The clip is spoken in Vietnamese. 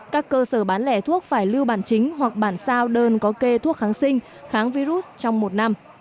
các cơ sở bán lẻ thuốc phải lưu bản chính hoặc bản sao đơn có kê thuốc kháng sinh kháng virus trong một năm